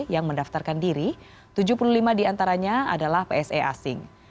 yang mendaftarkan diri tujuh puluh lima diantaranya adalah pse asing